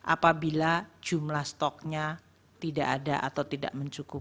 apabila jumlah stoknya tidak ada atau tidak mencukupi